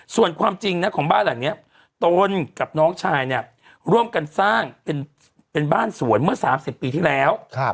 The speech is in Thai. ส่วนความจริงนะของบ้านหลังนี้ตนกับน้องชายเนี่ยร่วมกันสร้างเป็นบ้านสวนเมื่อ๓๐ปีที่แล้ว